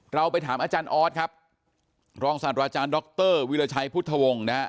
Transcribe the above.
เราไปถามอาจารย์ออสครับรองศาสตราจารย์ดรวิราชัยพุทธวงศ์นะฮะ